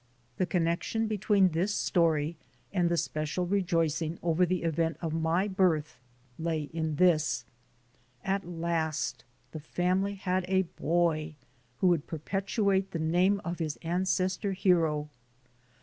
The connection between this story and the special rejoicing over the event of my birth lay in this: at last the family had a boy who would perpetuate the name of its ancestor hero.